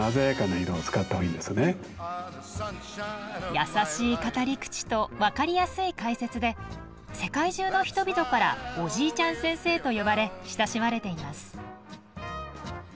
優しい語り口と分かりやすい解説で世界中の人々から「おじいちゃん先生」と呼ばれ親しまれています。